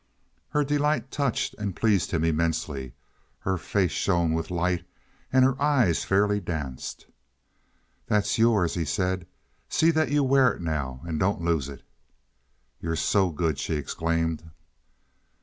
Her delight touched and pleased him immensely. Her face shone with light and her eyes fairly danced. "That's yours," he said. "See that you wear it now, and don't lose it." "You're so good!" she exclaimed.